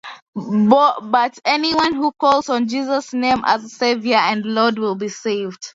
But anyone who calls on Jesus' name as savior and lord will be saved.